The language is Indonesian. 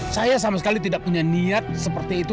saya sama sekali tidak punya niat seperti itu